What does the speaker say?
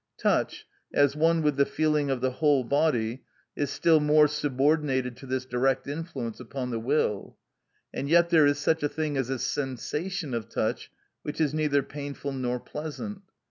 Touch, as one with the feeling of the whole body, is still more subordinated to this direct influence upon the will; and yet there is such a thing as a sensation of touch which is neither painful nor pleasant.